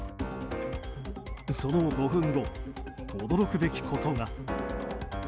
その５分後、驚くべきことが。